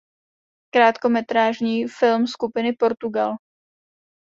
Krátkometrážní film skupiny Portugal.